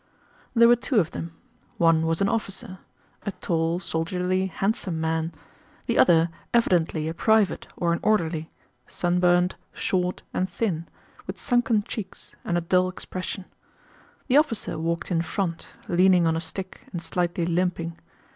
There were two of them. One was an officer—a tall, soldierly, handsome man—the other evidently a private or an orderly, sunburned, short, and thin, with sunken cheeks and a dull expression. The officer walked in front, leaning on a stick and slightly limping.